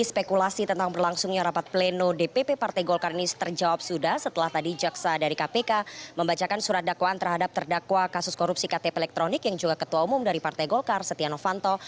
spekulasi tentang berlangsungnya rapat pleno dpp partai golkar ini terjawab sudah setelah tadi jaksa dari kpk membacakan surat dakwaan terhadap terdakwa kasus korupsi ktp elektronik yang juga ketua umum dari partai golkar setia novanto